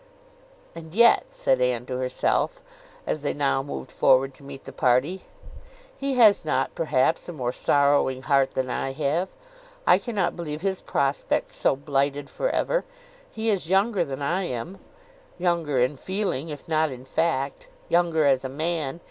"And yet," said Anne to herself, as they now moved forward to meet the party, "he has not, perhaps, a more sorrowing heart than I have. I cannot believe his prospects so blighted for ever. He is younger than I am; younger in feeling, if not in fact; younger as a man.